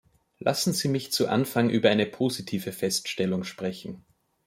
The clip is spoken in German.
Lassen Sie mich zu Anfang über eine positive Feststellung sprechen.